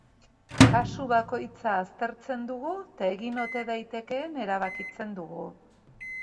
Kasu bakoitza aztertzen dugu eta egin ote daitekeen erabakitzen dugu.